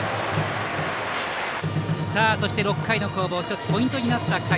そして、６回の攻防１つポイントになった回。